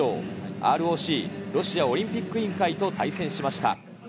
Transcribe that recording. ＲＯＣ・ロシアオリンピック委員会と対戦しました。